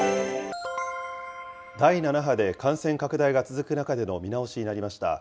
第７波で感染拡大が続く中での見直しになりました。